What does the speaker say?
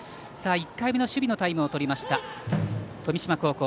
１回目の守備のタイムをとった富島高校。